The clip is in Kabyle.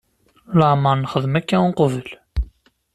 Leɛmeṛ nexdem akka uqbel.